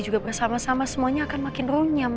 juga bersama sama semuanya akan makin runyam